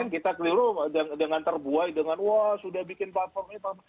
kita keliru dengan terbuai dengan sudah bikin platformnya